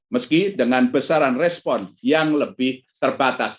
meski dengan besaran respon yang lebih terbatas